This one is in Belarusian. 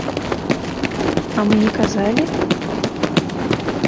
А мы не казалі?!